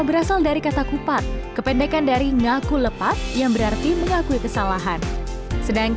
lius menjadi patriot kemar itulah yang mengetahui hal terbaik